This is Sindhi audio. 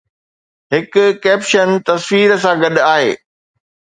هڪ ڪيپشن تصوير سان گڏ آهي